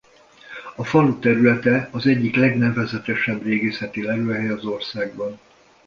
A falu területe az egyik legnevezetesebb régészeti lelőhely az országban.